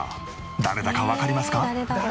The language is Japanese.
誰だかわかりますか？